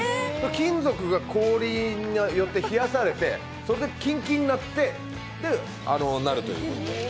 金属が氷によって冷やされてそれでキンキンになって、で、なるという。